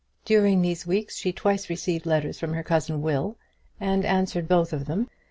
During these weeks she twice received letters from her cousin Will, and answered both of them.